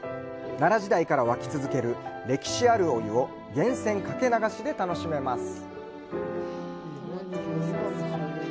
奈良時代から湧き続ける歴史あるお湯を源泉かけ流しで楽しめます。